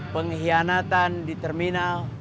pengkhianatan di terminal